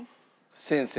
先生。